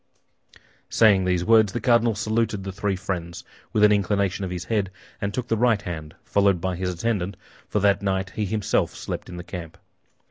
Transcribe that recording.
'" Saying these words, the cardinal saluted the three friends with an inclination of his head, and took the right hand, followed by his attendant—for that night he himself slept in the camp.